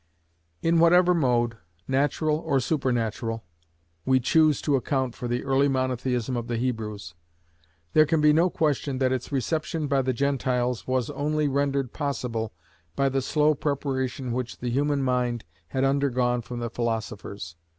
In whatever mode, natural or supernatural, we choose to account for the early Monotheism of the Hebrews, there can be no question that its reception by the Gentiles was only rendered possible by the slow preparation which the human mind had undergone from the philosophers.